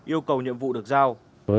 yêu cầu nhiệm vụ được giao